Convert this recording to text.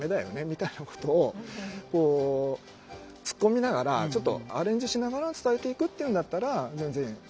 みたいなことをツッコミながらちょっとアレンジしながら伝えていくっていうんだったら全然ありかなとは。